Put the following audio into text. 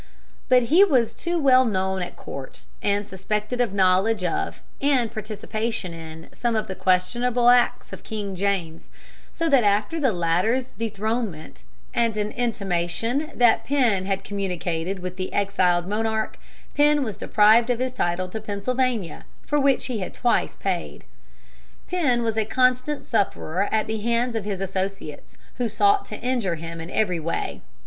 ] But he was too well known at court, and suspected of knowledge of and participation in some of the questionable acts of King James, so that after the latter's dethronement, and an intimation that Penn had communicated with the exiled monarch, Penn was deprived of his title to Pennsylvania, for which he had twice paid. Penn was a constant sufferer at the hands of his associates, who sought to injure him in every way.